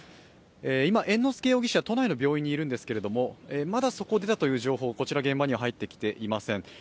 今、猿之助容疑者、都内の病院にいるんですけど、まだそこを出たという情報、こちら、現場には入ってきていません。